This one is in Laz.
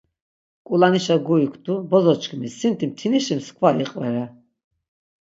Ǩulanişa guiktu; ‘bozoçkimi, sinti mtinişi mskva iqvere.’